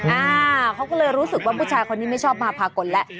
อ่าเขาก็เลยรู้สึกว่าผู้ชายคนนี้ไม่ชอบมาพากลแล้ว